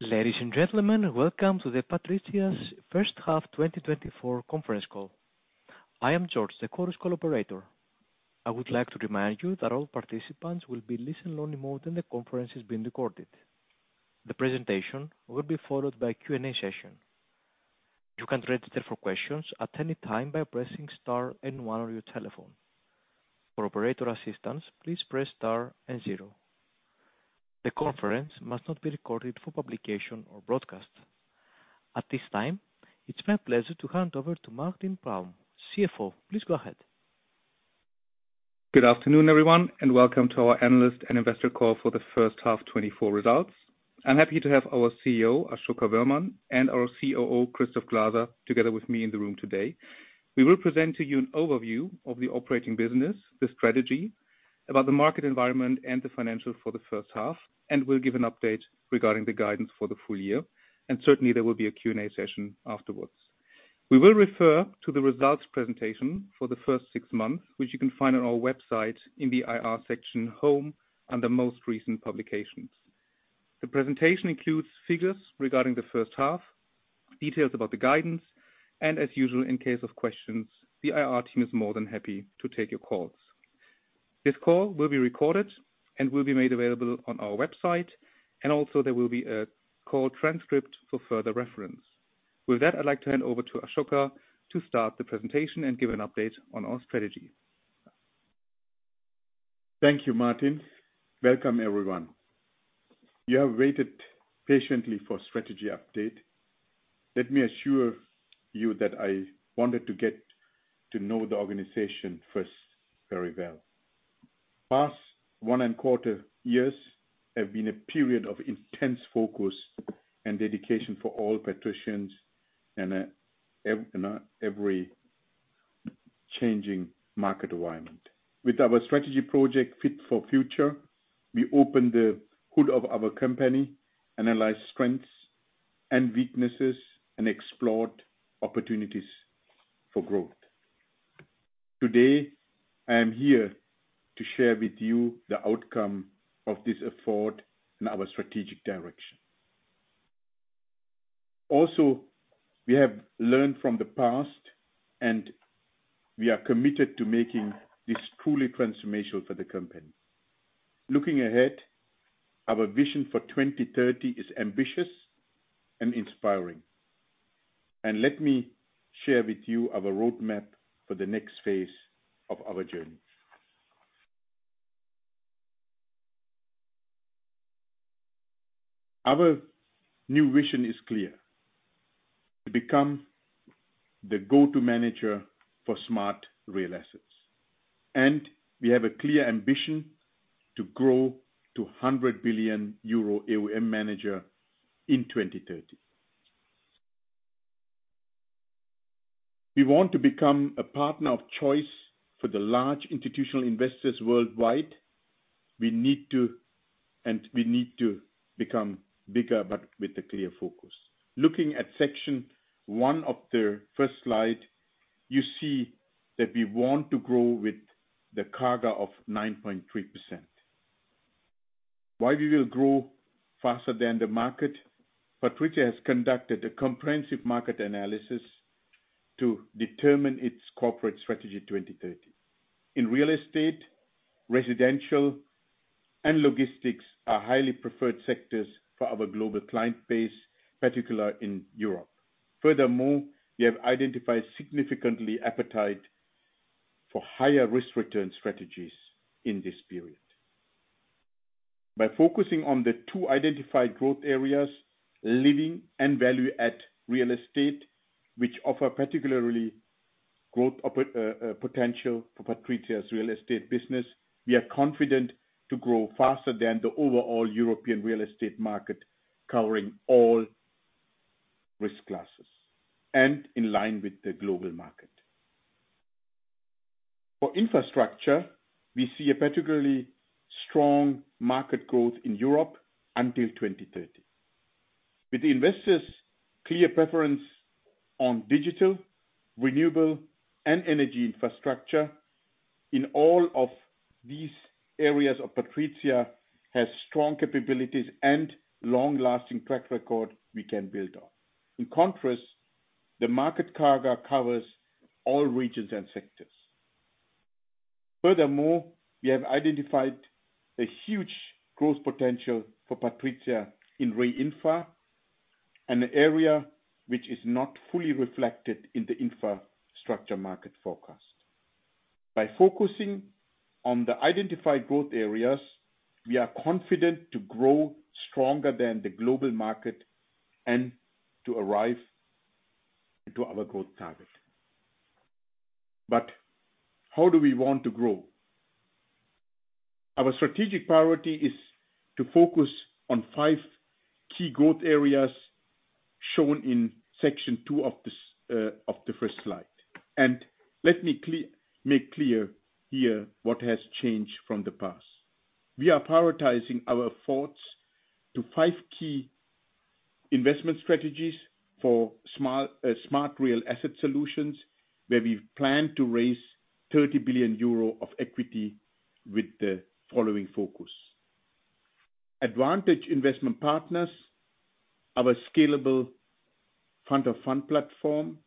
Ladies and gentlemen, welcome to PATRIZIA's first half 2024 conference call. I am George, the conference call operator. I would like to remind you that all participants will be in listen-only mode, and the conference is being recorded. The presentation will be followed by a Q&A session. You can register for questions at any time by pressing star and one on your telephone. For operator assistance, please press star and zero. The conference must not be recorded for publication or broadcast. At this time, it's my pleasure to hand over to Martin Praum, CFO. Please go ahead. Good afternoon, everyone, and welcome to our analyst and investor call for the first half 2024 results. I'm happy to have our CEO, Asoka Wöhrmann; and our COO, Christoph Glaser, together with me in the room today. We will present to you an overview of the operating business, the strategy about the market environment, and the financials for the first half, and we'll give an update regarding the guidance for the full year. Certainly, there will be a Q&A session afterwards. We will refer to the results presentation for the first six months, which you can find on our website in the IR section home, under most recent publications. The presentation includes figures regarding the first half, details about the guidance, and as usual, in case of questions, the IR team is more than happy to take your calls. This call will be recorded and will be made available on our website, and also there will be a call transcript for further reference. With that, I'd like to hand over to Asoka Wöhrmann to start the presentation and give an update on our strategy. Thank you, Martin. Welcome, everyone. You have waited patiently for strategy update. Let me assure you that I wanted to get to know the organization first very well. Past one and quarter years have been a period of intense focus and dedication for all Patrizians and in an ever-changing market environment. With our strategy project, Fit for Future, we opened the hood of our company, analyzed strengths and weaknesses, and explored opportunities for growth. Today, I am here to share with you the outcome of this effort and our strategic direction. Also, we have learned from the past, and we are committed to making this truly transformational for the company. Looking ahead, our vision for 2030 is ambitious and inspiring, and let me share with you our roadmap for the next phase of our journey. Our new vision is clear, to become the go-to manager for smart real assets, and we have a clear ambition to grow to 100 billion euro AUM manager in 2030. We want to become a partner of choice for the large institutional investors worldwide. We need to, and we need to become bigger, but with a clear focus. Looking at section one of the first slide, you see that we want to grow with the CAGR of 9.3%. Why we will grow faster than the market? PATRIZIA has conducted a comprehensive market analysis to determine its corporate strategy 2030. In real estate, residential and logistics are highly preferred sectors for our global client base, particularly in Europe. Furthermore, we have identified significant appetite for higher risk return strategies in this period. By focusing on the two identified growth areas, living and Value Add real estate, which offer particularly growth potential for PATRIZIA's real estate business, we are confident to grow faster than the overall European real estate market, covering all risk classes and in line with the global market. For infrastructure, we see a particularly strong market growth in Europe until 2030. With investors' clear preference on digital, renewable and energy infrastructure, in all of these areas of PATRIZIA has strong capabilities and long-lasting track record we can build on. In contrast, the market CAGR covers all regions and sectors. Furthermore, we have identified a huge growth potential for PATRIZIA in Re-Infra, an area which is not fully reflected in the infrastructure market forecast. By focusing on the identified growth areas, we are confident to grow stronger than the global market and to arrive into our growth target. But how do we want to grow? Our strategic priority is to focus on five key growth areas shown in section two of this, of the first slide. Let me make clear here what has changed from the past. We are prioritizing our efforts to five key investment strategies for smart real asset solutions, where we plan to raise 30 billion euro of equity, with the following focus: Advantage Investment Partners, our scalable fund of fund platform,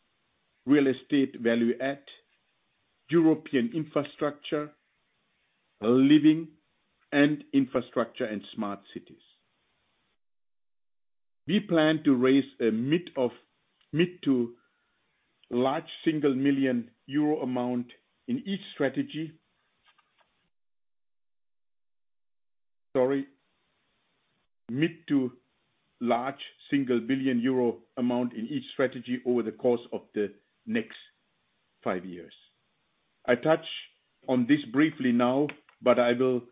real estate value add, European infrastructure, living, and infrastructure and smart cities. We plan to raise a mid- to large single million euro amount in each strategy. Sorry, mid- to large single billion euro amount in each strategy over the course of the next five years. I touch on this briefly now, but I will-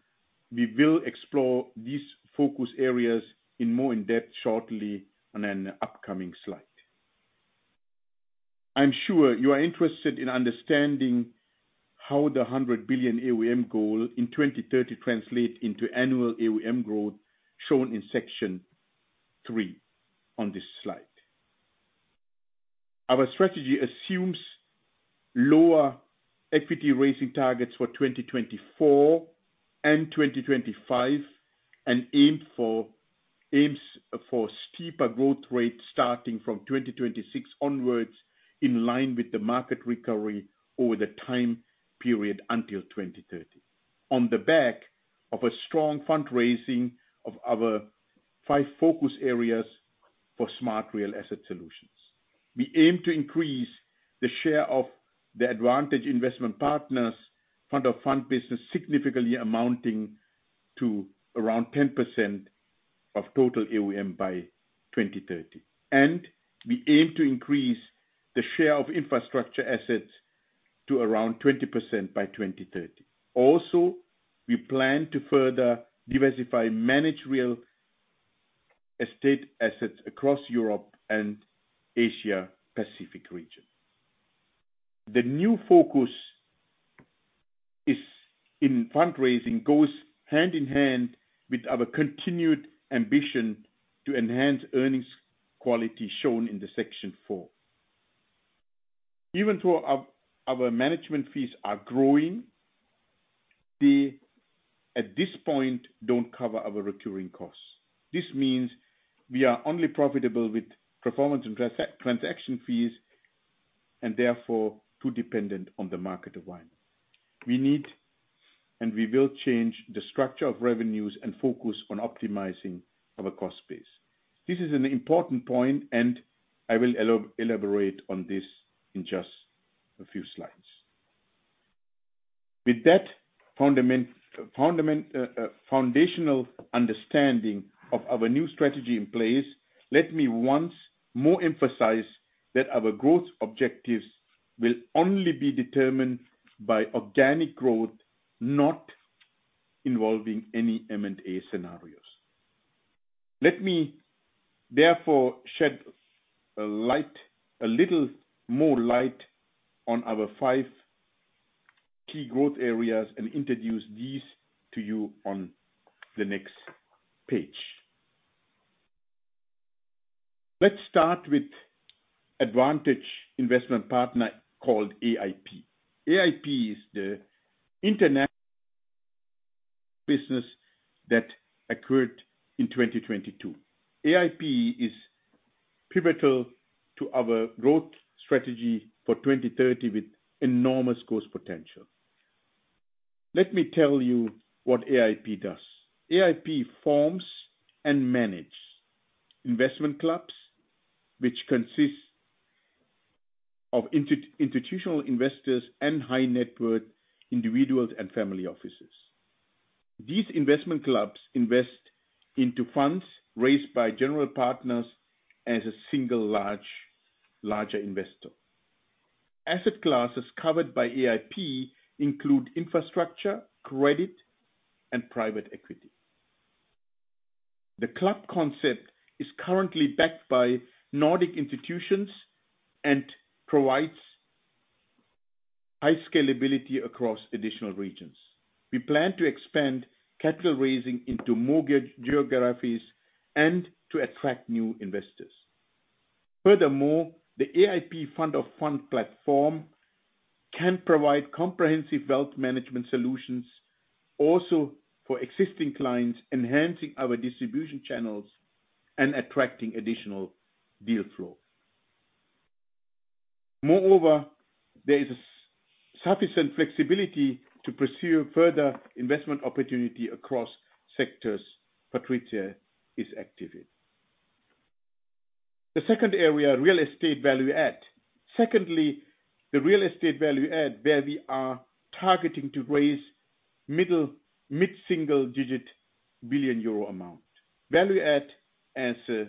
we will explore these focus areas in more in depth shortly on an upcoming slide. I'm sure you are interested in understanding how the 100 billion AUM goal in 2030 translate into annual AUM growth, shown in section three on this slide. Our strategy assumes lower equity raising targets for 2024 and 2025, and aim for, aims for steeper growth rates starting from 2026 onwards, in line with the market recovery over the time period until 2030, on the back of a strong fundraising of our five focus areas for smart real asset solutions. We aim to increase the share of the Advantage Investment Partners fund of fund business, significantly amounting to around 10% of total AUM by 2030. We aim to increase the share of infrastructure assets to around 20% by 2030. We plan to further diversify managed real estate assets across Europe and Asia Pacific region. The new focus is, in fundraising goes hand in hand with our continued ambition to enhance earnings quality, shown in the Section 4. Even though our management fees are growing, they, at this point, don't cover our recurring costs. This means we are only profitable with performance and transaction fees, and therefore, too dependent on the market volume. We need, and we will change the structure of revenues and focus on optimizing our cost base. This is an important point, and I will elaborate on this in just a few slides. With that foundational understanding of our new strategy in place, let me once more emphasize that our growth objectives will only be determined by organic growth, not involving any M&A scenarios. Let me therefore shed a light, a little more light on our five key growth areas and introduce these to you on the next page. Let's start with Advantage Investment Partners, called AIP. AIP is the international business that acquired in 2022. AIP is pivotal to our growth strategy for 2030 with enormous growth potential. Let me tell you what AIP does. AIP forms and manage investment clubs, which consist of institutional investors and high net worth individuals and family offices. These investment clubs invest into funds raised by general partners as a single large, larger investor. Asset classes covered by AIP include infrastructure, credit, and private equity. The club concept is currently backed by Nordic institutions and provides high scalability across additional regions. We plan to expand capital raising into more geographies and to attract new investors. Furthermore, the AIP fund of funds platform can provide comprehensive wealth management solutions also for existing clients, enhancing our distribution channels and attracting additional deal flow. Moreover, there is sufficient flexibility to pursue further investment opportunity across sectors PATRIZIA is active in. The second area, real estate value add. Secondly, the real estate value add, where we are targeting to raise mid-single digit billion euro amount. Value add as a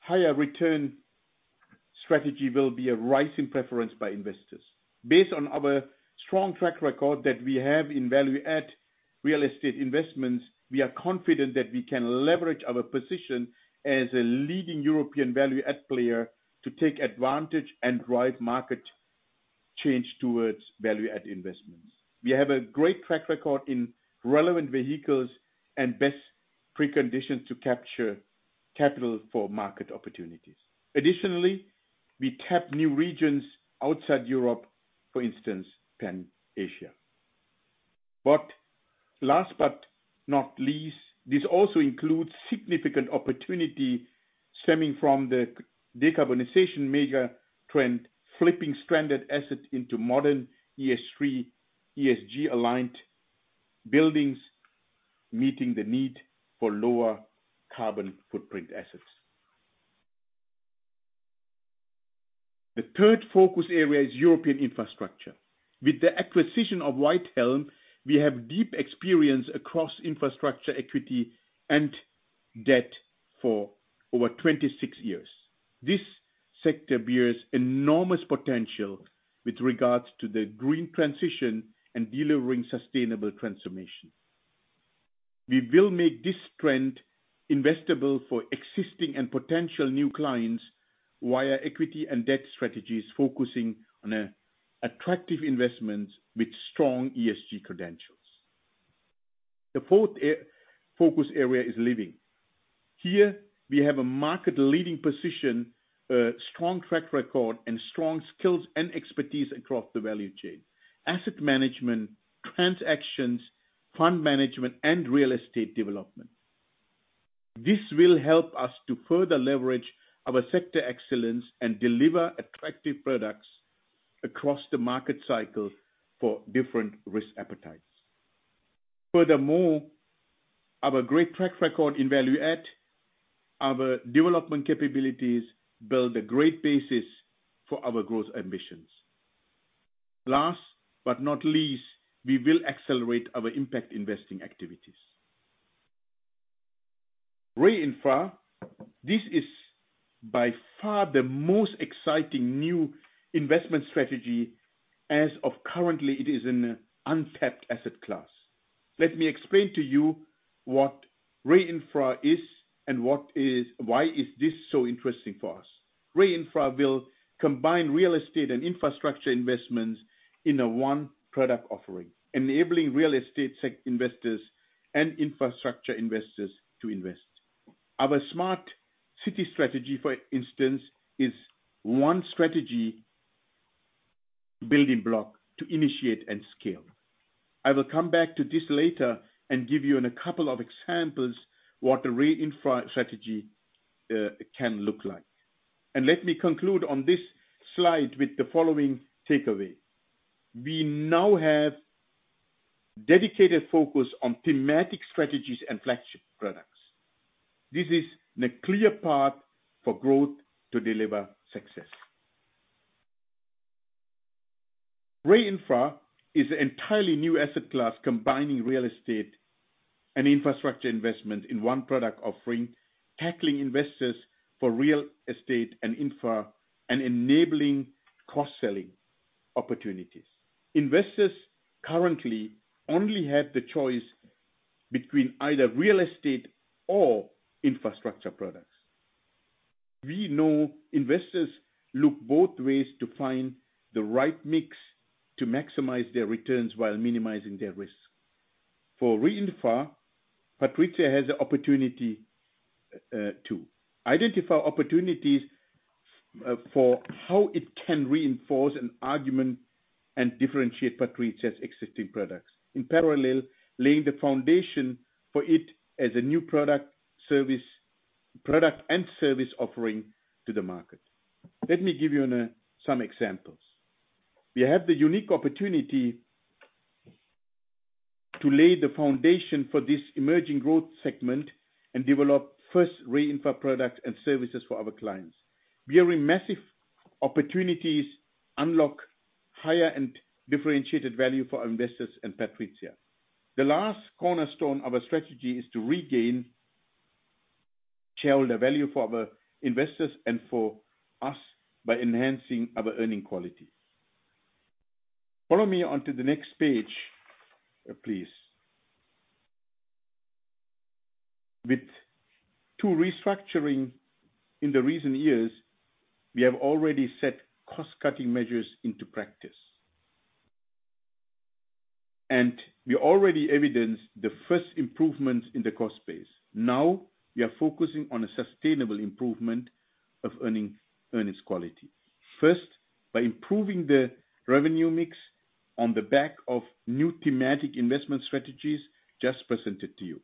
higher return strategy will be a rise in preference by investors. Based on our strong track record that we have in value add real estate investments, we are confident that we can leverage our position as a leading European value add player to take advantage and drive market change towards value add investments. We have a great track record in relevant vehicles and best preconditions to capture capital for market opportunities. Additionally, we tap new regions outside Europe, for instance, Pan Asia. But last but not least, this also includes significant opportunity stemming from the decarbonization mega trend, flipping stranded assets into modern ESG-aligned buildings, meeting the need for lower carbon footprint assets. The third focus area is European infrastructure. With the acquisition of Whitehelm, we have deep experience across infrastructure, equity, and debt for over 26 years. This sector bears enormous potential with regards to the green transition and delivering sustainable transformation. We will make this trend investable for existing and potential new clients via equity and debt strategies, focusing on attractive investments with strong ESG credentials. The fourth focus area is living. Here, we have a market-leading position, a strong track record, and strong skills and expertise across the value chain: asset management, transactions, fund management, and real estate development. This will help us to further leverage our sector excellence and deliver attractive products across the market cycle for different risk appetites. Furthermore, our great track record in value add, our development capabilities build a great basis for our growth ambitions. Last but not least, we will accelerate our impact investing activities. Re-Infra, this is by far the most exciting new investment strategy, as of currently, it is an untapped asset class. Let me explain to you what Re-Infra is and what is—why is this so interesting for us? Re-Infra will combine real estate and infrastructure investments in a one product offering, enabling real estate sector investors and infrastructure investors to invest. Our Smart Cities strategy, for instance, is one strategy building block to initiate and scale. I will come back to this later and give you and a couple of examples what the Re-Infra strategy can look like. Let me conclude on this slide with the following takeaway: We now have dedicated focus on thematic strategies and flagship products. This is the clear path for growth to deliver success. Re-Infra is an entirely new asset class, combining real estate and infrastructure investment in one product offering, tackling investors for real estate and infra, and enabling cross-selling opportunities. Investors currently only have the choice between either real estate or infrastructure products. We know investors look both ways to find the right mix to maximize their returns while minimizing their risk. For Re-Infra, PATRIZIA has the opportunity to identify opportunities for how it can reinforce an argument and differentiate PATRIZIA's existing products. In parallel, laying the foundation for it as a new product, service, product and service offering to the market. Let me give you some examples. We have the unique opportunity to lay the foundation for this emerging growth segment and develop first Re-Infra products and services for our clients. We are in massive opportunities, unlock higher and differentiated value for our investors and PATRIZIA. The last cornerstone of our strategy is to regain shareholder value for our investors and for us by enhancing our earning quality. Follow me onto the next page, please. With two restructuring in the recent years, we have already set cost-cutting measures into practice. We already evidenced the first improvements in the cost base. Now, we are focusing on a sustainable improvement of earnings quality. First, by improving the revenue mix on the back of new thematic investment strategies just presented to you.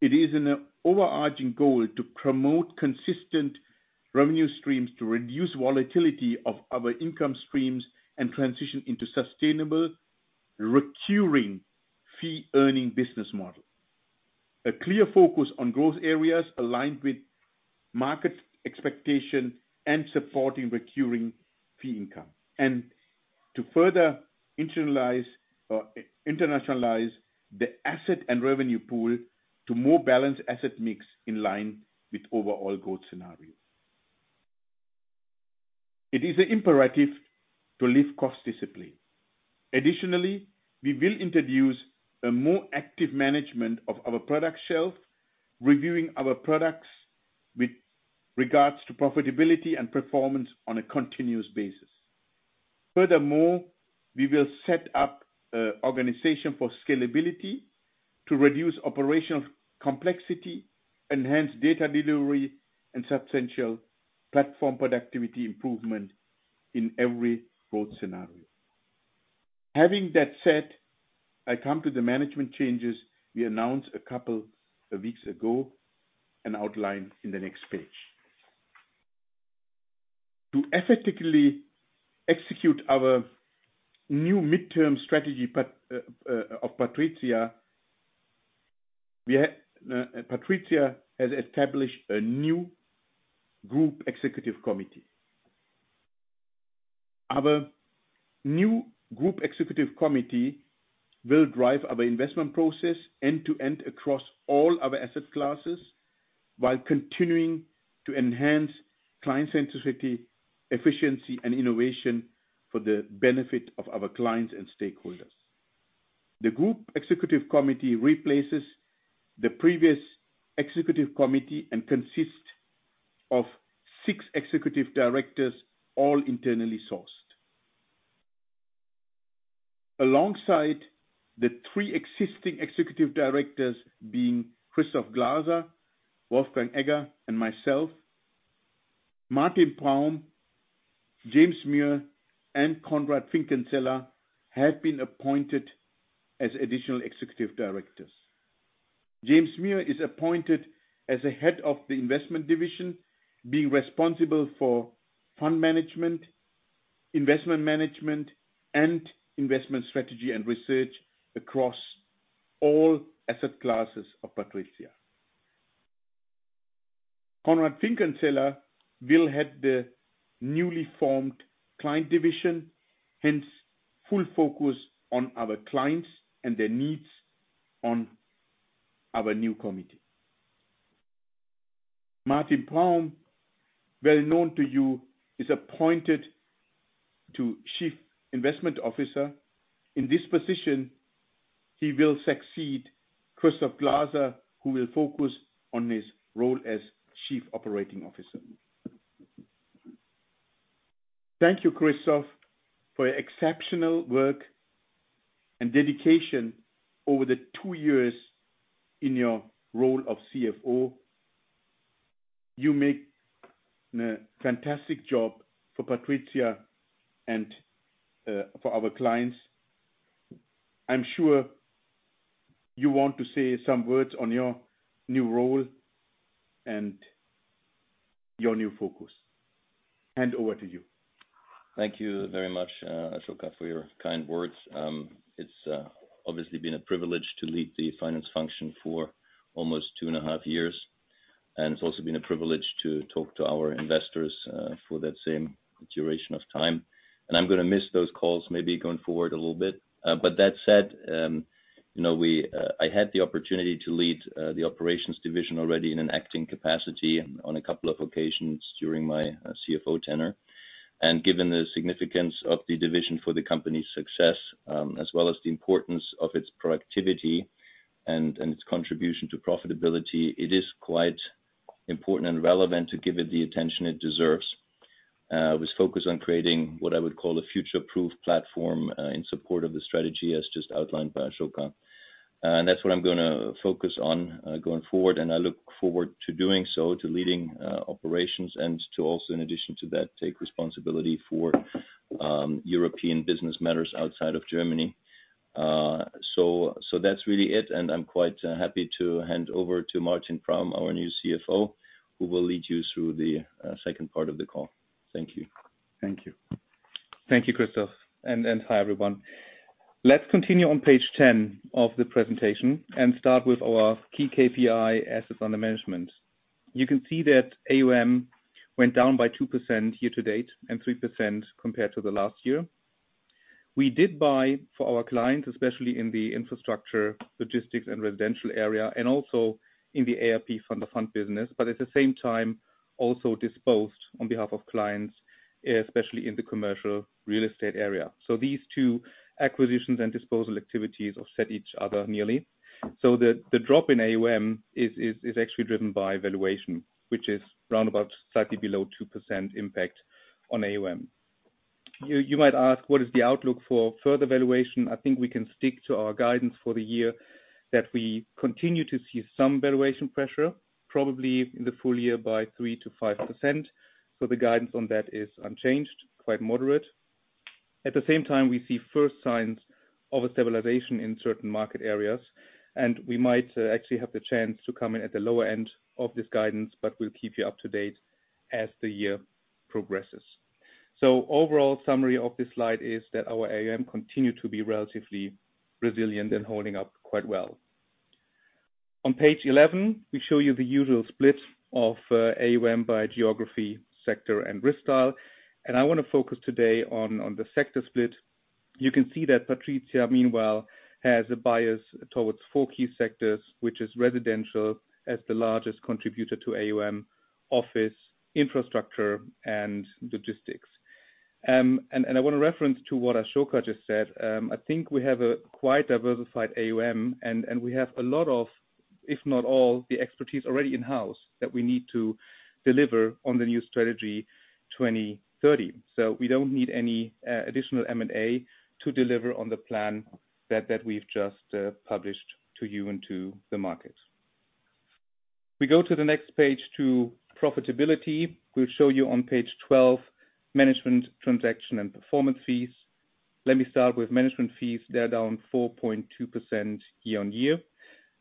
It is an overarching goal to promote consistent revenue streams, to reduce volatility of our income streams, and transition into sustainable, recurring fee-earning business model. A clear focus on growth areas aligned with market expectation and supporting recurring fee income, and to further internalize, internationalize the asset and revenue pool to more balanced asset mix in line with overall growth scenario. It is an imperative to live cost discipline. Additionally, we will introduce a more active management of our product shelf, reviewing our products with regards to profitability and performance on a continuous basis. Furthermore, we will set up organization for scalability to reduce operational complexity, enhance data delivery, and substantial platform productivity improvement in every growth scenario. Having that said, I come to the management changes we announced a couple of weeks ago and outlined in the next page. To effectively execute our new midterm strategy of PATRIZIA, PATRIZIA has established a new Group Executive Committee. Our new Group Executive Committee will drive our investment process end to end across all our asset classes, while continuing to enhance client sensitivity, efficiency, and innovation for the benefit of our clients and stakeholders. The Group Executive Committee replaces the previous executive committee and consists of six executive directors, all internally sourced. Alongside the three existing executive directors, being Christoph Glaser, Wolfgang Egger, and myself, Martin Praum, James Muir, and Konrad Finkenzeller, have been appointed as additional executive directors. James Muir is appointed as the head of the investment division, being responsible for fund management, investment management, and investment strategy and research across all asset classes of PATRIZIA. Konrad Finkenzeller will head the newly formed client division, hence full focus on our clients and their needs on our new committee. Martin Praum, well known to you, is appointed to Chief Financial Officer. In this position, he will succeed Christoph Glaser, who will focus on his role as Chief Operating Officer. Thank you, Christoph, for your exceptional work and dedication over the two years in your role of CFO. You make fantastic job for PATRIZIA and for our clients. I'm sure you want to say some words on your new role and your new focus. Hand over to you. Thank you very much, Asoka, for your kind words. It's obviously been a privilege to lead the finance function for almost two and a half years, and it's also been a privilege to talk to our investors for that same duration of time. I'm gonna miss those calls, maybe going forward a little bit. But that said, you know, I had the opportunity to lead the operations division already in an acting capacity on a couple of occasions during my CFO tenure. Given the significance of the division for the company's success, as well as the importance of its productivity and its contribution to profitability, it is quite important and relevant to give it the attention it deserves. It was focused on creating what I would call a future-proof platform, in support of the strategy, as just outlined by Asoka. And that's what I'm gonna focus on, going forward, and I look forward to doing so, to leading operations and to also, in addition to that, take responsibility for European business matters outside of Germany. So, so that's really it, and I'm quite happy to hand over to Martin Praum, our new CFO, who will lead you through the second part of the call. Thank you. Thank you. Thank you, Christoph, and hi, everyone. Let's continue on page 10 of the presentation and start with our key KPI assets under management. You can see that AUM went down by 2% year to date, and 3% compared to the last year. We did buy for our clients, especially in the infrastructure, logistics, and residential area, and also in the AIP fund of fund business, but at the same time, also disposed on behalf of clients, especially in the commercial real estate area. So these two acquisitions and disposal activities offset each other nearly. So the drop in AUM is actually driven by valuation, which is round about slightly below 2% impact on AUM. You might ask, what is the outlook for further valuation? I think we can stick to our guidance for the year, that we continue to see some valuation pressure, probably in the full year by 3%-5%. So the guidance on that is unchanged, quite moderate. At the same time, we see first signs of a stabilization in certain market areas, and we might actually have the chance to come in at the lower end of this guidance, but we'll keep you up to date as the year progresses. So overall summary of this slide is that our AUM continue to be relatively resilient and holding up quite well. On page 11, we show you the usual split of AUM by geography, sector, and risk style. And I wanna focus today on the sector split. You can see that PATRIZIA, meanwhile, has a bias towards four key sectors, which is residential, as the largest contributor to AUM, office, infrastructure, and logistics. And, and I want to reference to what Asoka just said. I think we have a quite diversified AUM, and, and we have a lot of, if not all, the expertise already in-house that we need to deliver on the new strategy, 2030. So we don't need any, additional M&A to deliver on the plan that, that we've just, published to you and to the market. We go to the next page to profitability. We'll show you on page 12, management, transaction, and performance fees. Let me start with management fees. They're down 4.2% year-on-year.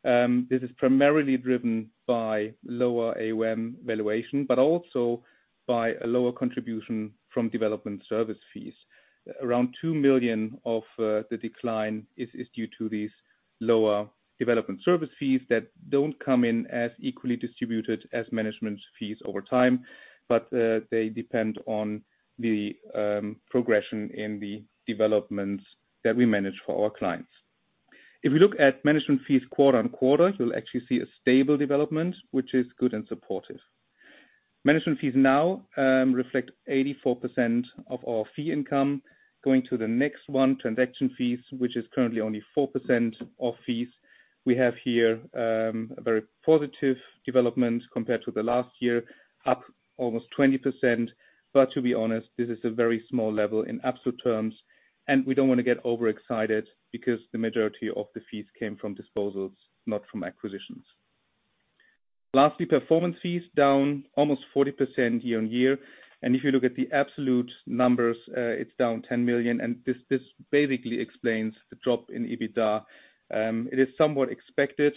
This is primarily driven by lower AUM valuation, but also by a lower contribution from development service fees. Around 2 million of the decline is due to these lower development service fees that don't come in as equally distributed as management fees over time, but they depend on the progression in the developments that we manage for our clients. If you look at management fees quarter-on-quarter, you'll actually see a stable development, which is good and supportive. Management fees now reflect 84% of our fee income. Going to the next one, transaction fees, which is currently only 4% of fees. We have here a very positive development compared to the last year, up almost 20%. But to be honest, this is a very small level in absolute terms, and we don't wanna get overexcited because the majority of the fees came from disposals, not from acquisitions. Lastly, performance fees down almost 40% year-on-year. If you look at the absolute numbers, it's down 10 million, and this basically explains the drop in EBITDA. It is somewhat expected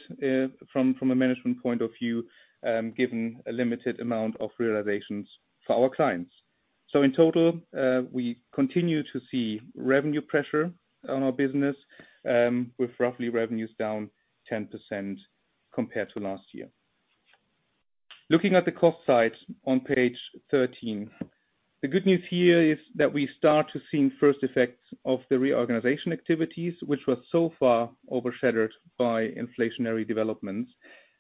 from a management point of view, given a limited amount of realizations for our clients. So in total, we continue to see revenue pressure on our business, with roughly revenues down 10% compared to last year. Looking at the cost side on page 13, the good news here is that we start to see first effects of the reorganization activities, which were so far overshadowed by inflationary developments.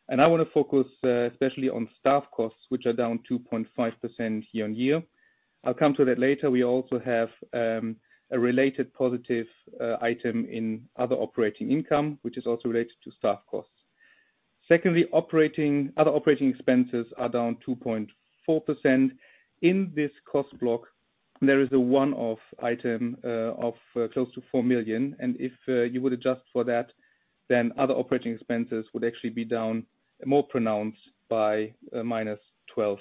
I wanna focus especially on staff costs, which are down 2.5% year-on-year. I'll come to that later. We also have a related positive item in other operating income, which is also related to staff costs. Secondly, operating, other operating expenses are down 2.4%. In this cost block, there is a one-off item, of, close to 4 million, and if, you would adjust for that, then other operating expenses would actually be down, more pronounced by, -12%.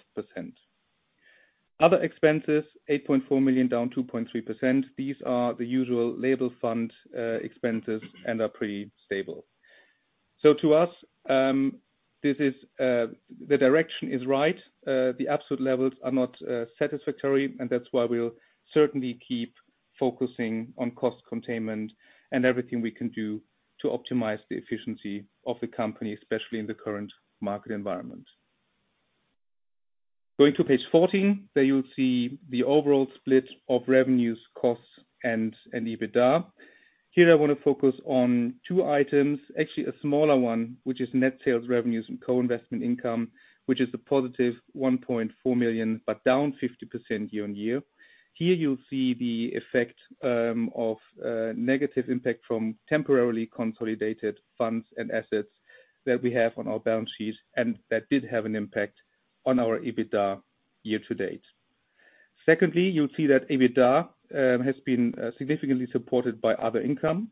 Other expenses, 8.4 million, down 2.3%. These are the usual label fund, expenses and are pretty stable. So to us, this is, the direction is right. The absolute levels are not, satisfactory, and that's why we'll certainly keep focusing on cost containment and everything we can do to optimize the efficiency of the company, especially in the current market environment. Going to page 14, there you'll see the overall split of revenues, costs, and EBITDA. Here I wanna focus on two items, actually, a smaller one, which is net sales revenues and co-investment income, which is a +1.4 million, but down 50% year-on-year. Here, you'll see the effect of negative impact from temporarily consolidated funds and assets that we have on our balance sheet, and that did have an impact on our EBITDA year to date. Secondly, you'll see that EBITDA has been significantly supported by other income,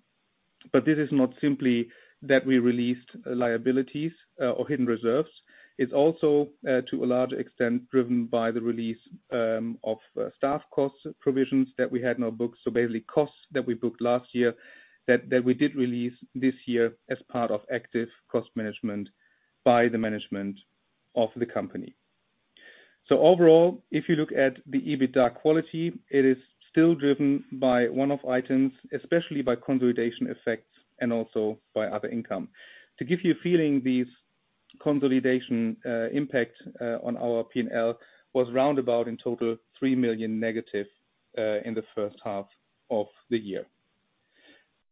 but this is not simply that we released liabilities or hidden reserves. It's also, to a large extent, driven by the release of staff cost provisions that we had in our books. So basically, costs that we booked last year, that we did release this year as part of active cost management by the management of the company. So overall, if you look at the EBITDA quality, it is still driven by one-off items, especially by consolidation effects and also by other income. To give you a feeling, these consolidation impact on our P&L was roundabout in total, 3 million negative, in the first half of the year.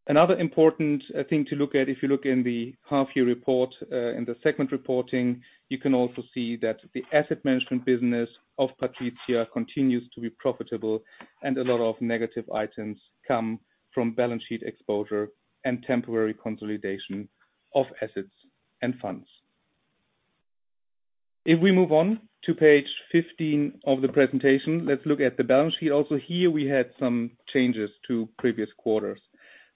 Another important thing to look at, if you look in the half year report, in the segment reporting, you can also see that the asset management business of PATRIZIA continues to be profitable, and a lot of negative items come from balance sheet exposure and temporary consolidation of assets and funds. If we move on to page 15 of the presentation, let's look at the balance sheet. Also here, we had some changes to previous quarters.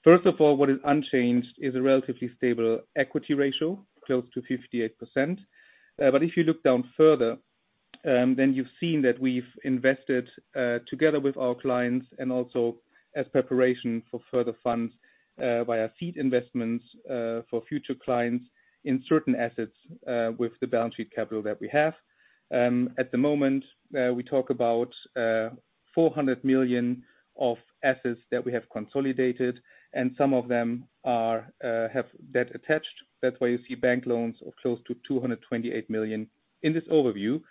First of all, what is unchanged is a relatively stable equity ratio, close to 58%. But if you look down further, then you've seen that we've invested, together with our clients and also as preparation for further funds, via seed investments, for future clients in certain assets, with the balance sheet capital that we have. At the moment, we talk about 400 million of assets that we have consolidated, and some of them have debt attached. That's why you see bank loans of close to 228 million in this overview.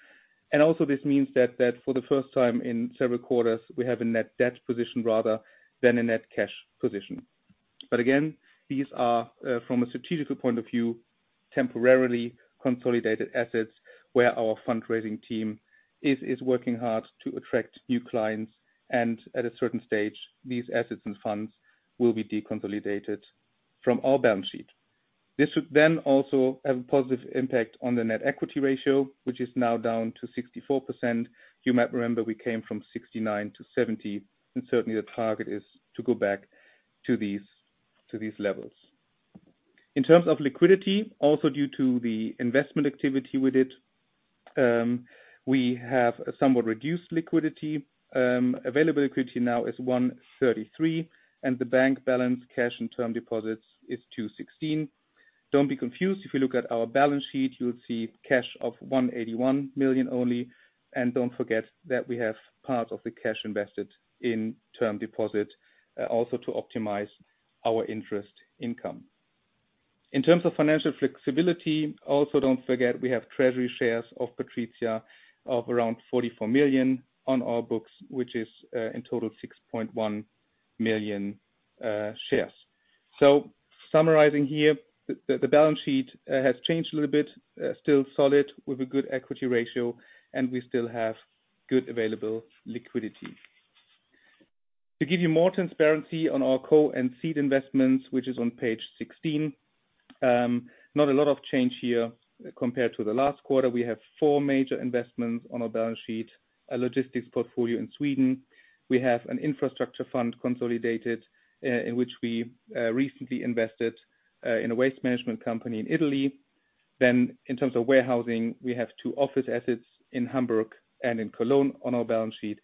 Also, this means that for the first time in several quarters, we have a net debt position rather than a net cash position. But again, these are from a strategic point of view, temporarily consolidated assets where our fundraising team is working hard to attract new clients, and at a certain stage, these assets and funds will be deconsolidated from our balance sheet. This would then also have a positive impact on the net equity ratio, which is now down to 64%. You might remember we came from 69%-70%, and certainly the target is to go back to these levels. In terms of liquidity, also due to the investment activity we did, we have somewhat reduced liquidity. Available liquidity now is 133, and the bank balance, cash and term deposits is 216. Don't be confused. If you look at our balance sheet, you'll see cash of 181 million only, and don't forget that we have part of the cash invested in term deposits, also to optimize our interest income. In terms of financial flexibility, also don't forget, we have treasury shares of PATRIZIA, of around 44 million on our books, which is, in total 6.1 million shares. So summarizing here, the balance sheet has changed a little bit, still solid with a good equity ratio, and we still have good available liquidity. To give you more transparency on our co and seed investments, which is on page 16, not a lot of change here compared to the last quarter. We have 4 major investments on our balance sheet, a logistics portfolio in Sweden. We have an infrastructure fund consolidated, in which we recently invested, in a waste management company in Italy. Then in terms of warehousing, we have two office assets in Hamburg and in Cologne on our balance sheet,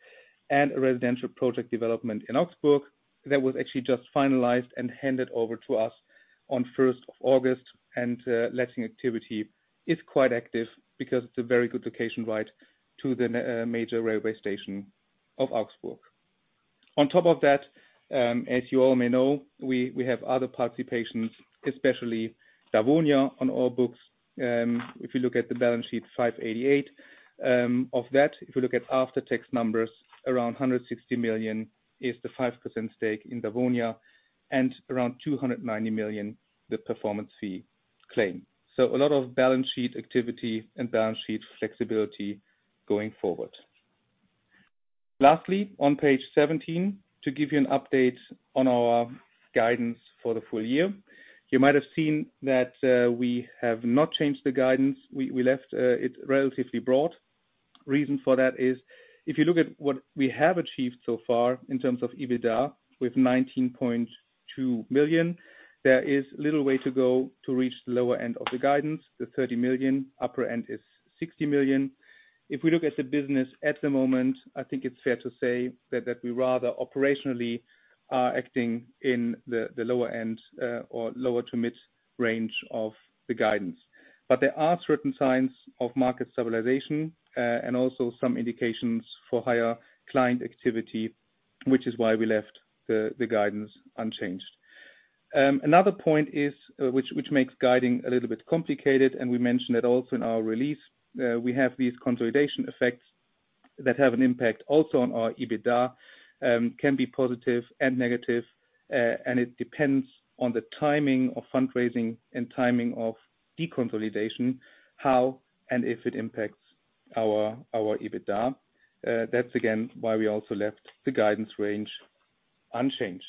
and a residential project development in Augsburg that was actually just finalized and handed over to us on first of August. Letting activity is quite active because it's a very good location right to the major railway station of Augsburg. On top of that, as you all may know, we have other participations, especially Dawonia, on our books. If you look at the balance sheet 588, of that, if you look at after-tax numbers, around 160 million is the 5% stake in Dawonia, and around 290 million, the performance fee claim. So a lot of balance sheet activity and balance sheet flexibility going forward. Lastly, on page 17, to give you an update on our guidance for the full year. You might have seen that, we have not changed the guidance. We, we left it relatively broad. Reason for that is, if you look at what we have achieved so far in terms of EBITDA, with 19.2 million, there is little way to go to reach the lower end of the guidance. The 30 million, upper end is 60 million. If we look at the business at the moment, I think it's fair to say that, that we rather operationally are acting in the, the lower end, or lower to mid-range of the guidance. But there are certain signs of market stabilization, and also some indications for higher client activity, which is why we left the guidance unchanged. Another point is, which makes guiding a little bit complicated, and we mentioned it also in our release, we have these consolidation effects that have an impact also on our EBITDA, can be positive and negative. And it depends on the timing of fundraising and timing of deconsolidation, how and if it impacts our EBITDA. That's again, why we also left the guidance range unchanged.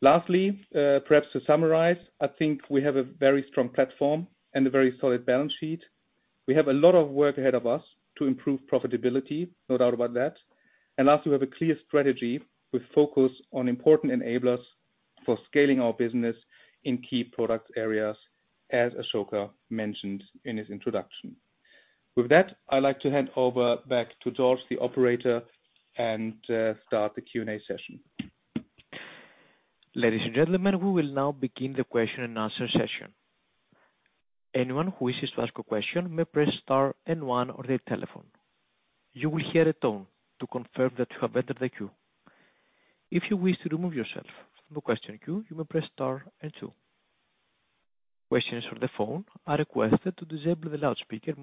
Lastly, perhaps to summarize, I think we have a very strong platform and a very solid balance sheet. We have a lot of work ahead of us to improve profitability, no doubt about that. And last, we have a clear strategy with focus on important enablers for scaling our business in key product areas, as Asoka mentioned in his introduction. With that, I'd like to hand over back to George, the operator, and start the Q&A session. Ladies and gentlemen, we will now begin the question and answer session. Anyone who wishes to ask a question may press star and one on their telephone. You will hear a tone to confirm that you have entered the queue. If you wish to remove yourself from the question queue, you may press star and two. Questions from the phone are requested to disable the loudspeaker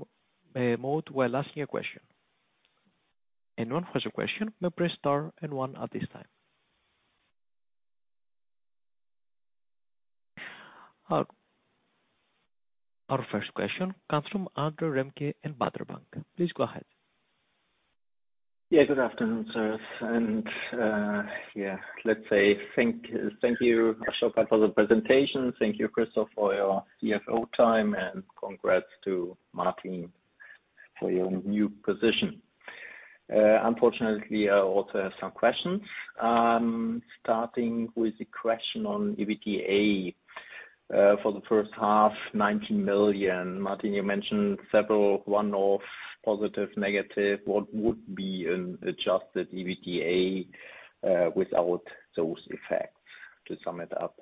mode while asking a question. Anyone who has a question may press star and one at this time. Our first question comes from Andre Remke in Baader Bank. Please go ahead. Yeah, good afternoon, sirs. And, yeah, let's say thank, thank you, Asoka, for the presentation. Thank you, Christoph, for your CFO time, and congrats to Martin for your new position. Unfortunately, I also have some questions. Starting with the question on EBITDA for the first half, 19 million. Martin, you mentioned several one-off, positive, negative. What would be an adjusted EBITDA without those effects, to sum it up?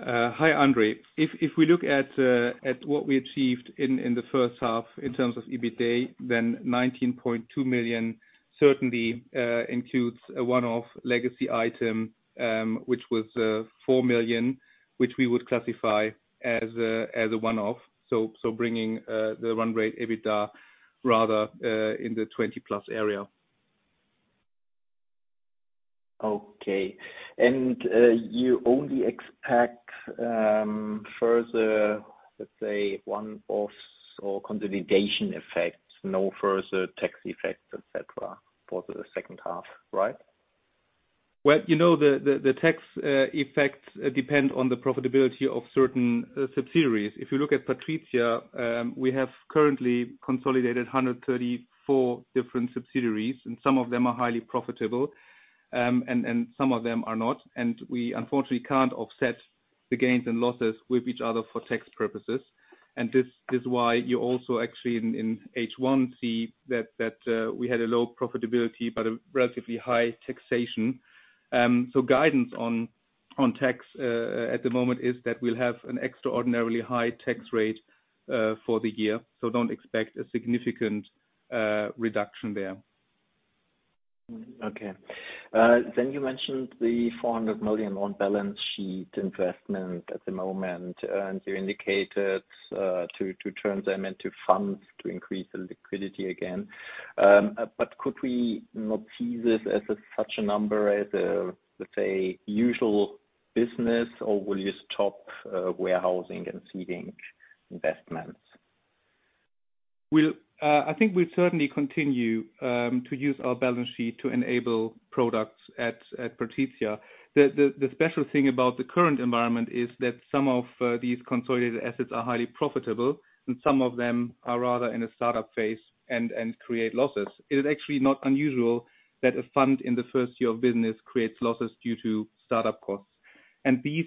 Hi, Andre. If we look at what we achieved in the first half in terms of EBITDA, then 19.2 million certainly includes a one-off legacy item, which was 4 million, which we would classify as a one-off. So bringing the run rate EBITDA rather in the 20+ area. Okay. You only expect further, let's say, one-offs or consolidation effects, no further tax effects, et cetera, for the second half, right? Well, you know, the tax effects depend on the profitability of certain subsidiaries. If you look at PATRIZIA, we have currently consolidated 134 different subsidiaries, and some of them are highly profitable, and some of them are not. And we unfortunately can't offset the gains and losses with each other for tax purposes. And this is why you also actually in H1 see that we had a low profitability, but a relatively high taxation. So guidance on tax at the moment is that we'll have an extraordinarily high tax rate for the year, so don't expect a significant reduction there. Okay. Then you mentioned the 400 million on balance sheet investment at the moment, and you indicated to turn them into funds to increase the liquidity again. But could we not see this as a such a number as, let's say, usual business, or will you stop warehousing and seeding investments? Well, I think we'll certainly continue to use our balance sheet to enable products at PATRIZIA. The special thing about the current environment is that some of these consolidated assets are highly profitable, and some of them are rather in a startup phase and create losses. It is actually not unusual that a fund in the first year of business creates losses due to startup costs. And these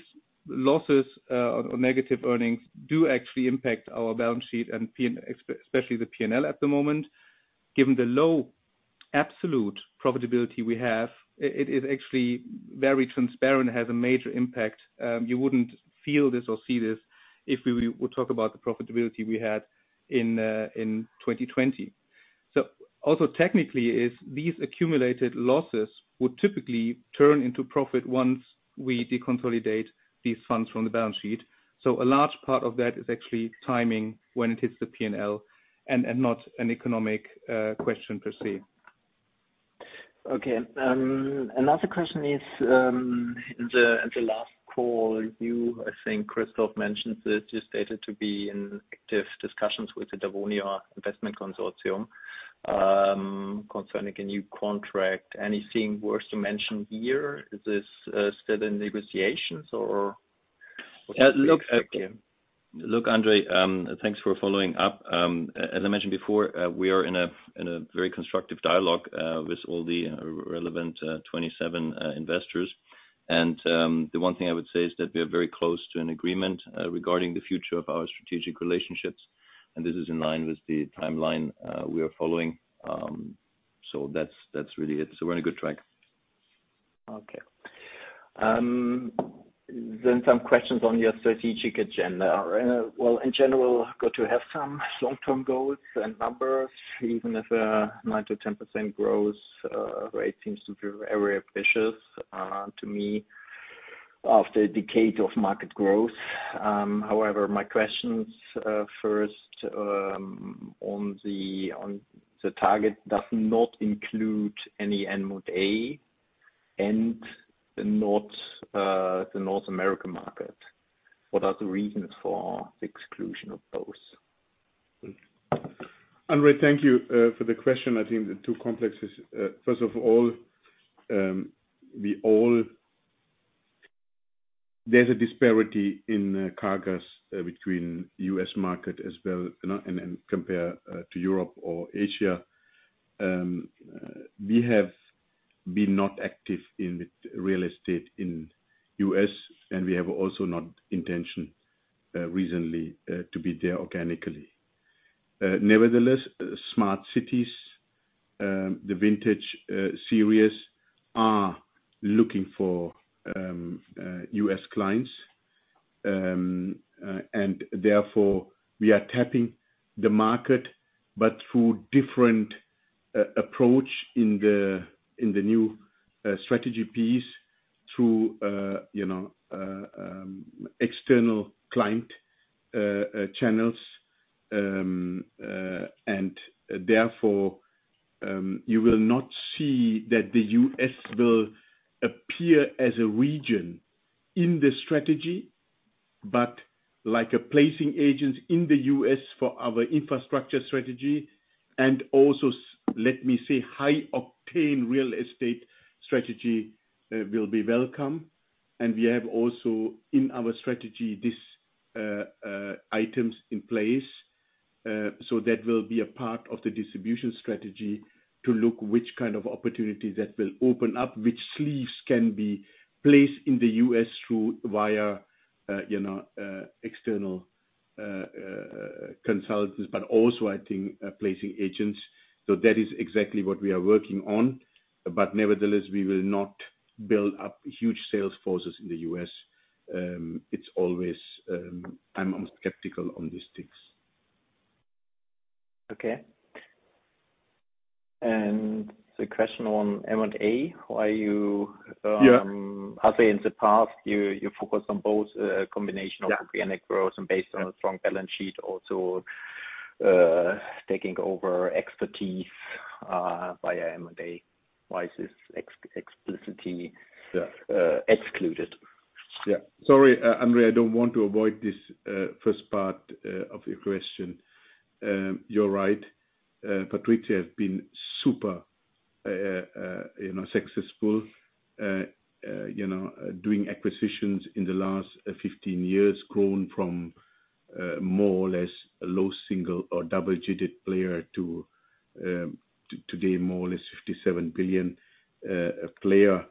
losses or negative earnings do actually impact our balance sheet and especially the P&L at the moment. Given the low absolute profitability we have, it is actually very transparent, has a major impact. You wouldn't feel this or see this if we talk about the profitability we had in 2020. So also, technically, is these accumulated losses would typically turn into profit once we deconsolidate these funds from the balance sheet. So a large part of that is actually timing when it hits the P&L, and, and not an economic question per se. Okay. Another question is, in the last call, you, I think Christoph mentioned this, you stated to be in active discussions with the Dawonia Investment Consortium, concerning a new contract. Anything worth to mention here? Is this still in negotiations, or what do you expect here? Look, look, Andre, thanks for following up. As I mentioned before, we are in a very constructive dialogue with all the relevant 27 investors. The one thing I would say is that we are very close to an agreement regarding the future of our strategic relationships, and this is in line with the timeline we are following. So that's really it. We're on a good track. Okay. Then some questions on your strategic agenda. Well, in general, got to have some long-term goals and numbers, even if, 9%-10% growth rate seems to be very ambitious, to me, after a decade of market growth. However, my questions, first, on the, on the target does not include any in M&A, and not, the North American market. What are the reasons for the exclusion of those? Andre, thank you for the question. I think the two complexes, first of all, there's a disparity in CAGR between U.S. market as well, you know, and compare to Europe or Asia. We have been not active in the real estate in U.S., and we have also not intention recently to be there organically. Nevertheless, Smart Cities, the vintage series, are looking for U.S. clients. And therefore, we are tapping the market, but through different approach in the new strategy piece, through you know external client channels. Therefore, you will not see that the U.S. will appear as a region in the strategy, but like a placement agent in the U.S. for our infrastructure strategy, and also, let me say, high octane real estate strategy, will be welcome. And we have also, in our strategy, this, items in place. So that will be a part of the distribution strategy, to look which kind of opportunities that will open up, which sleeves can be placed in the U.S. through, via, you know, external, consultants, but also, I think, placement agents. So that is exactly what we are working on. But nevertheless, we will not build up huge sales forces in the U.S. It's always, I'm skeptical on these things. Okay. And the question on M&A, why you, Yeah I'll say in the past, you focused on both, combination of. Yeah Organic growth and based on a strong balance sheet, also, taking over expertise via M&A. Why is this explicitly excluded? Yeah. Sorry, Andre, I don't want to avoid this first part of your question. You're right. PATRIZIA has been super, you know, successful, you know, doing acquisitions in the last 15 years, grown from more or less a low single or double-digit player to today, more or less 57 billion player.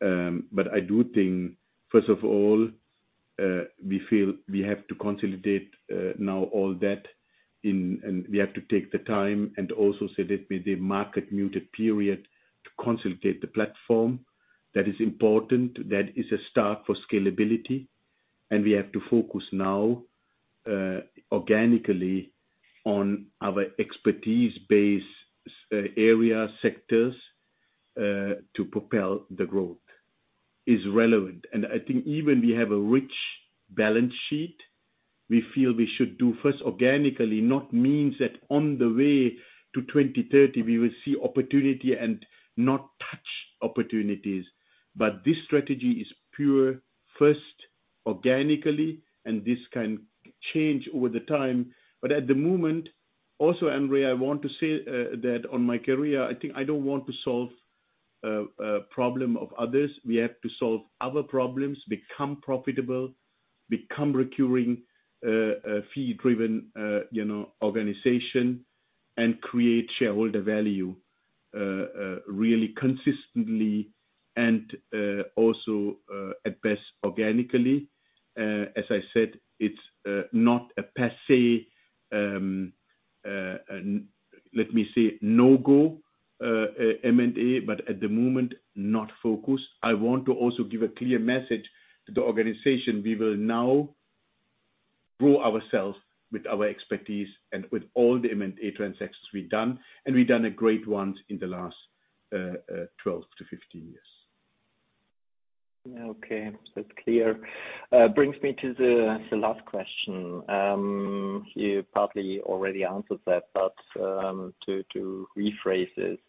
But I do think, first of all, we feel we have to consolidate now all that in, and we have to take the time, and also say that with the market muted period, to consolidate the platform. That is important, that is a start for scalability, and we have to focus now organically on our expertise base area sectors to propel the growth. Is relevant. And I think even we have a rich balance sheet, we feel we should do first organically, not means that on the way to 2030, we will see opportunity and not touch opportunities. But this strategy is pure, first, organically, and this can change over the time. But at the moment. Also, Andre, I want to say, that on my career, I think I don't want to solve, a problem of others. We have to solve our problems, become profitable, become recurring, a fee-driven, you know, organization, and create shareholder value, really consistently and, also, at best, organically. As I said, it's not a per se, let me say, no-go, M&A, but at the moment, not focused. I want to also give a clear message to the organization. We will now grow ourselves with our expertise and with all the M&A transactions we've done, and we've done a great one in the last 12-15 years. Okay, that's clear. Brings me to the last question. You partly already answered that, but, to rephrase it,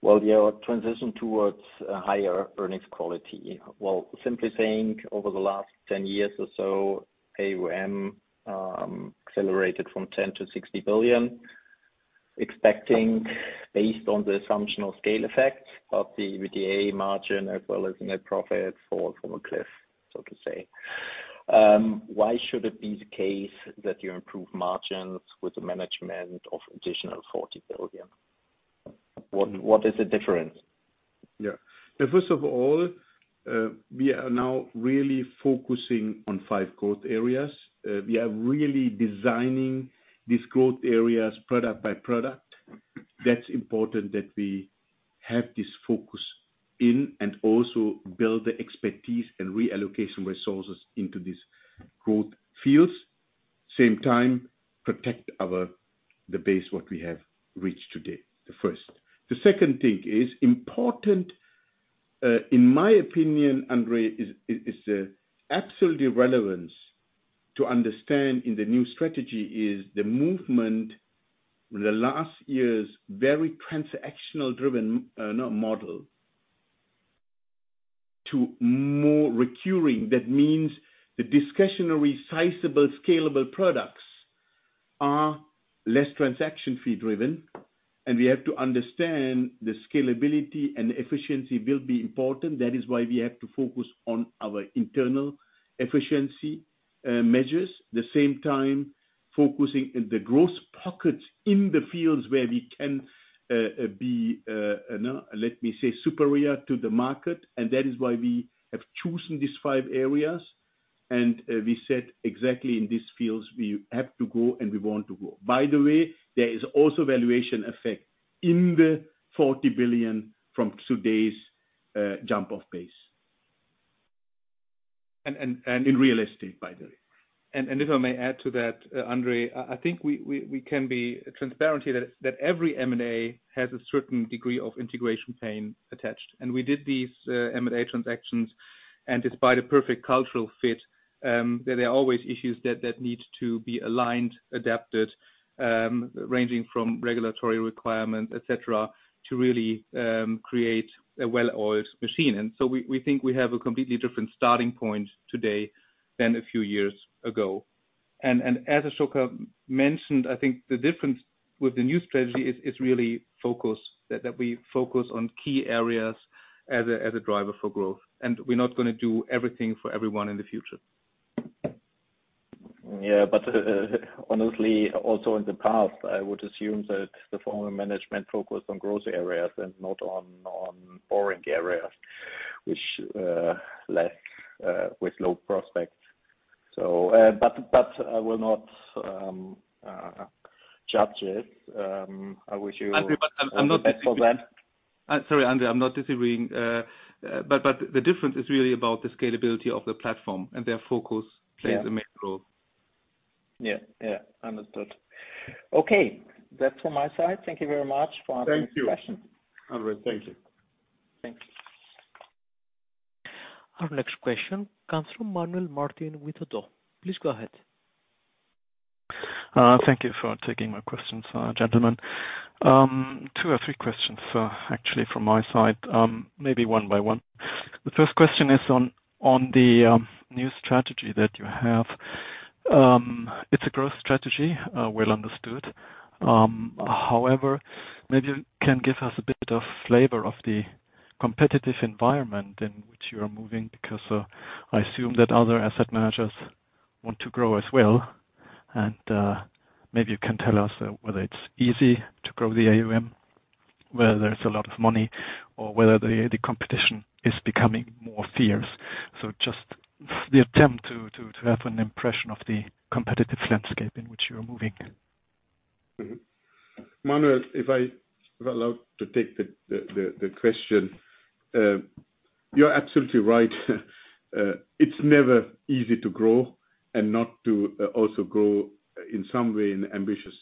while your transition towards a higher earnings quality, well, simply saying, over the last 10 years or so, AUM accelerated from 10 billion-60 billion, expecting, based on the assumption of scale effect of the EBITDA margin, as well as net profit, fall from a cliff, so to say. Why should it be the case that you improve margins with the management of additional 40 billion? What is the difference? Yeah. So first of all, we are now really focusing on five growth areas. We are really designing these growth areas product by product. That's important that we have this focus in, and also build the expertise and reallocation resources into these growth fields. Same time, protect our, the base what we have reached today, the first. The second thing is important, in my opinion, Andre, is absolutely relevance to understand in the new strategy is the movement in the last year's very transactional driven model to more recurring. That means the discretionary, sizable, scalable products are less transaction fee driven, and we have to understand the scalability and efficiency will be important. That is why we have to focus on our internal efficiency measures. The same time, focusing in the growth pockets in the fields where we can be, let me say, superior to the market, and that is why we have chosen these five areas. We said exactly in these fields we have to go and we want to go. By the way, there is also valuation effect in the 40 billion from today's jump-off base. And, and, and in real estate, by the way. And if I may add to that, Andre, I think we can be transparent here that every M&A has a certain degree of integration pain attached, and we did these M&A transactions, and despite a perfect cultural fit, there are always issues that need to be aligned, adapted, ranging from regulatory requirements, et cetera, to really create a well-oiled machine. So we think we have a completely different starting point today than a few years ago. And as Asoka mentioned, I think the difference with the new strategy is really focus. That we focus on key areas as a driver for growth, and we're not gonna do everything for everyone in the future. Yeah, but honestly, also in the past, I would assume that the former management focused on growth areas and not on, on boring areas, which lack with low prospects. So, but I will not judge it. I wish you. Andre, but I'm not. All the best for that. Sorry, Andre, I'm not disagreeing. But the difference is really about the scalability of the platform, and their focus plays a major role. Yeah, yeah. Understood. Okay, that's from my side. Thank you very much for answering questions. Thank you, Andre. Thank you. Thanks. Our next question comes from Manuel Martin with ODDO. Please go ahead. Thank you for taking my questions, gentlemen. Two or three questions, actually from my side, maybe one by one. The first question is on the new strategy that you have. It's a growth strategy, well understood. However, maybe you can give us a bit of flavor of the competitive environment in which you are moving, because I assume that other asset managers want to grow as well. And maybe you can tell us whether it's easy to grow the AUM, whether there's a lot of money, or whether the competition is becoming more fierce. So just the attempt to have an impression of the competitive landscape in which you are moving. Mm-hmm. Manuel, if I allow to take the question, you're absolutely right. It's never easy to grow and not to also grow in some way in ambitious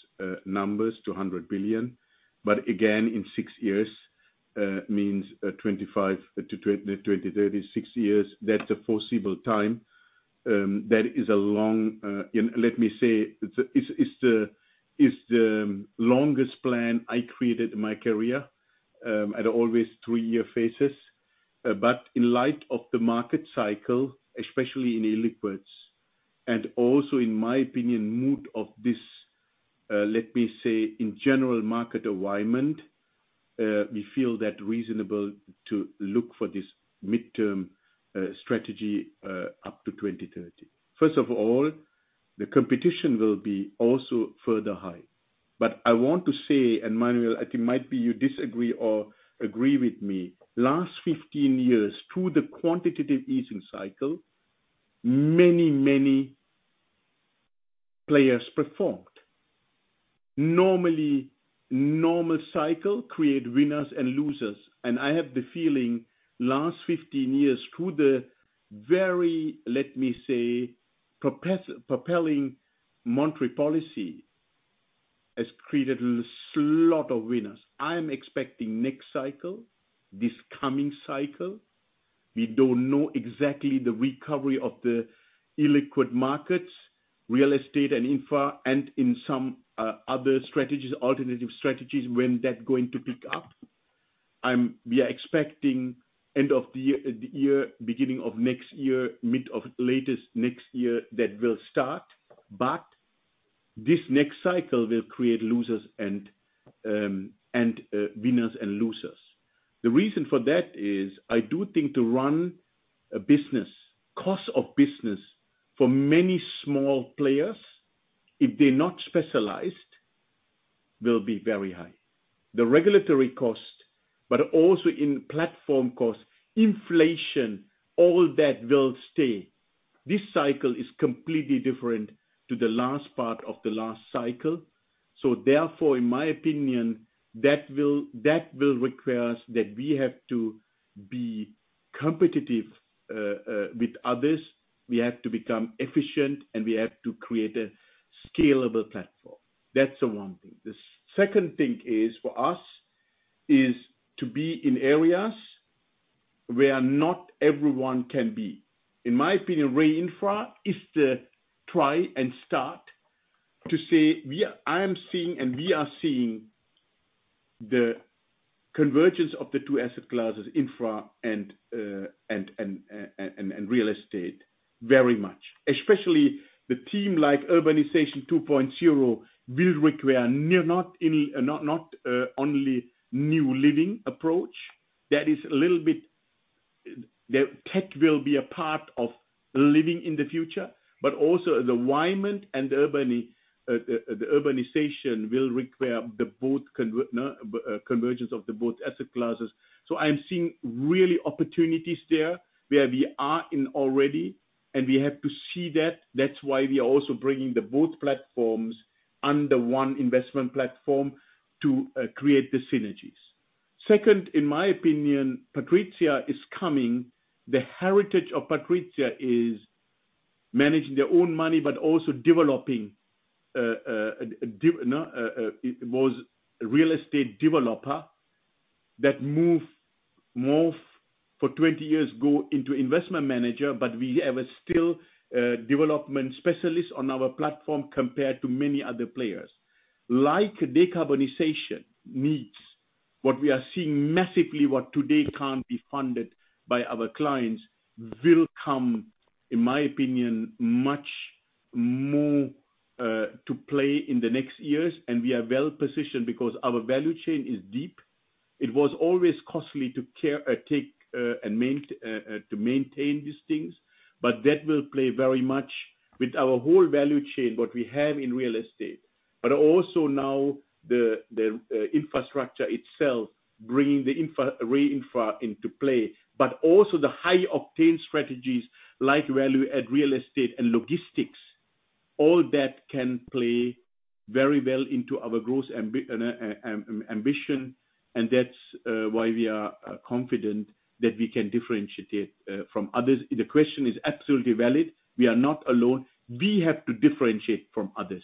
numbers, to 100 billion. But again, in six years, means, 2025-2030, six years, that's a foreseeable time. That is a long, and let me say, it's the longest plan I created in my career, always three year phases. But in light of the market cycle, especially in illiquids, and also in my opinion, mood of this, let me say, in general market alignment, we feel that reasonable to look for this midterm strategy up to 2030. First of all, the competition will be also further high. But I want to say, and Manuel, it might be you disagree or agree with me, last 15 years, through the quantitative easing cycle, many, many players performed. Normally, normal cycle create winners and losers, and I have the feeling last 15 years, through the very, let me say, propelling monetary policy, has created a lot of winners. I'm expecting next cycle, this coming cycle, we don't know exactly the recovery of the illiquid markets, real estate and infra, and in some, other strategies, alternative strategies, when that going to pick up. We are expecting end of the year, the year, beginning of next year, mid of latest next year, that will start. But this next cycle will create losers and, and, winners and losers. The reason for that is, I do think to run a business, cost of business for many small players, if they're not specialized, will be very high. The regulatory cost, but also in platform cost, inflation, all that will stay. This cycle is completely different to the last part of the last cycle. So therefore, in my opinion, that will require us that we have to be competitive with others. We have to become efficient, and we have to create a scalable platform. That's the one thing. The second thing is, for us, is to be in areas where not everyone can be. In my opinion, Re-Infra is the try and start to say, we are seeing the convergence of the two asset classes, infra and real estate, very much. Especially the theme like Urbanization 2.0 will require not only a new living approach. That is a little bit. The tech will be a part of living in the future, but also the alignment and urbanity, the urbanization will require the convergence of both asset classes. So I'm seeing really opportunities there, where we are in already, and we have to see that. That's why we are also bringing both platforms under one investment platform, to create the synergies. Second, in my opinion, PATRIZIA is coming. The heritage of PATRIZIA is managing their own money, but also developing, it was a real estate developer that moved 20 years ago into investment manager, but we still have development specialists on our platform, compared to many other players. Like decarbonization needs, what we are seeing massively, what today can't be funded by our clients, will come, in my opinion, much more to play in the next years. And we are well positioned, because our value chain is deep. It was always costly to care, take, and main to maintain these things, but that will play very much with our whole value chain, what we have in real estate. But also now, the infrastructure itself, bringing the Re-Infra into play, but also the high octane strategies, like value add real estate, and logistics. All that can play very well into our growth ambition, and that's why we are confident that we can differentiate from others. The question is absolutely valid. We are not alone. We have to differentiate from others,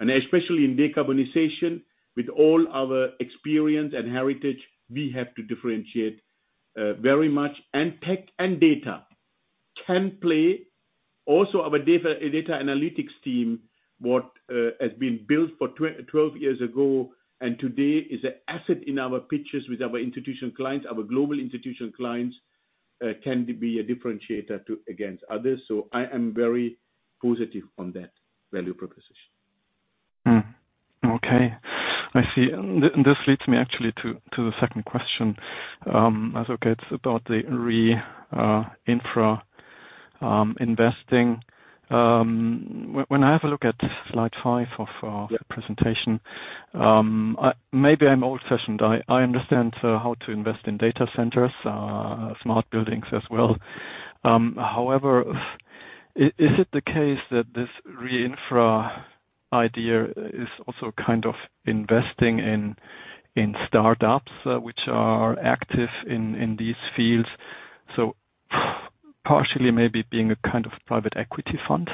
and especially in decarbonization, with all our experience and heritage, we have to differentiate very much, and tech and data can play also our data, data analytics team, which has been built 12 years ago, and today is an asset in our pitches with our institutional clients, our global institutional clients, can be a differentiator, too, against others. So I am very positive on that value proposition. Okay. I see. And this leads me actually to the second question. Asoka, it's about the Re-Infra investing. When I have a look at slide five of the presentation, maybe I'm old-fashioned, I understand how to invest in data centers, smart buildings as well. However, is it the case that this Re-Infra idea is also kind of investing in startups, which are active in these fields, so partially maybe being a kind of private equity fund?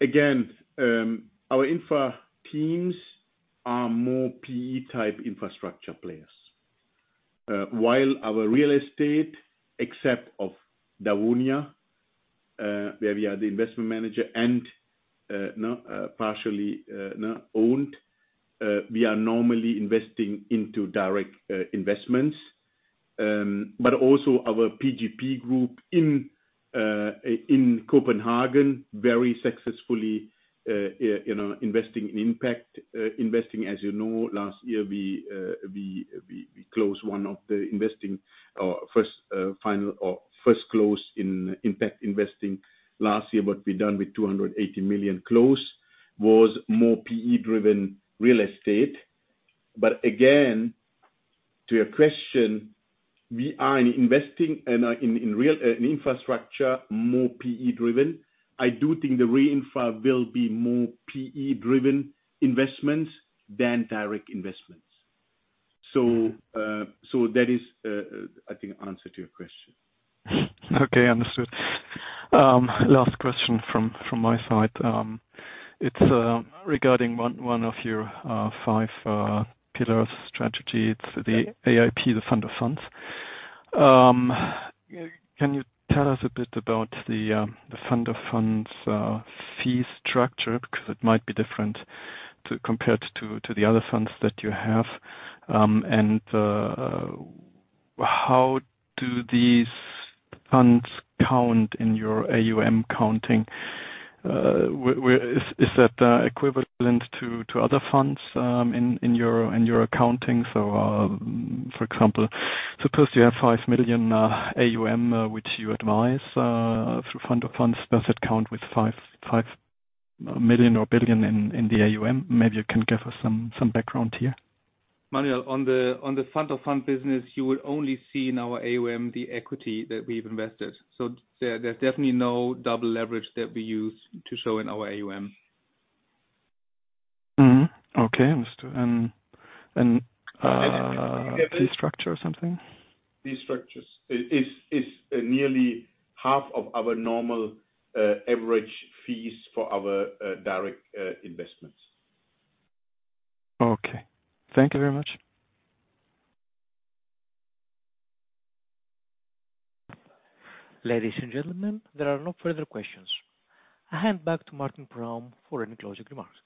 Again, our infra teams are more PE type infrastructure players. While our real estate, except of Dawonia, where we are the investment manager and, no, partially, no, owned, we are normally investing into direct investments. But also our AIP group in Copenhagen, very successfully, you know, investing in impact investing. As you know, last year we closed one of the investing first final or first close in impact investing last year. What we've done with 280 million close was more PE-driven real estate. But again, to your question, we are investing in real infrastructure, more PE-driven. I do think the Re-Infra will be more PE-driven investments than direct investments. So, that is, I think, answer to your question. Okay, understood. Last question from my side. It's regarding one of your five pillars strategy. It's the AIP, the Fund of Funds. Can you tell us a bit about the Fund of Funds fee structure? Because it might be different compared to the other funds that you have. And how do these funds count in your AUM counting? Where is that equivalent to other funds in your accounting? So, for example, suppose you have 5 million AUM which you advise through Fund of Funds, does it count with 5 million or billion in the AUM? Maybe you can give us some background here. Manuel, on the, on the Fund of Fund business, you will only see in our AUM the equity that we've invested. So there, there's definitely no double leverage that we use to show in our AUM. Okay, understood. And structure or something? Fee structures is nearly half of our normal average fees for our direct investments. Okay. Thank you very much. Ladies and gentlemen, there are no further questions. I hand back to Martin Praum for any closing remarks.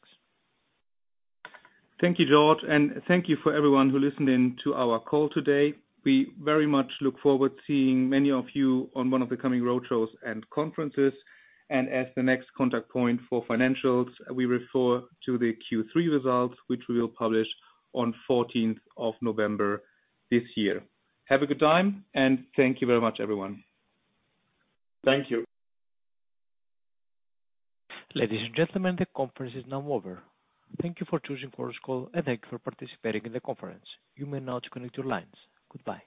Thank you, George, and thank you for everyone who listened in to our call today. We very much look forward to seeing many of you on one of the coming road shows and conferences. As the next contact point for financials, we refer to the Q3 results, which we will publish on 14th of November this year. Have a good time, and thank you very much, everyone. Thank you. Ladies and gentlemen, the conference is now over. Thank you for choosing for this call, and thank you for participating in the conference. You may now disconnect your lines. Goodbye.